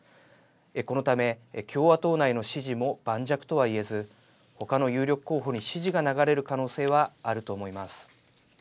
このため共和党内の支持も盤石とは言えず他の有力候補に支持が流れる可能性はあると思います。